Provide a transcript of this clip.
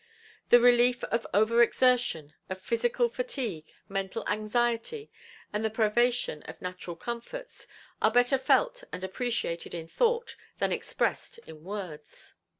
The relief of over exertion, of physical fatigue, mental anxiety and the privation of natural comforts are better felt and appreciated in thought than expressed in words.